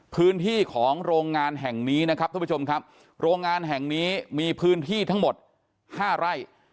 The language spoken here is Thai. พื้นที่ของโรงงานแห่งนี้นะครับท่านผู้ชมครับโรงงานแห่งนี้มีพื้นที่ทั้งหมดห้าไร่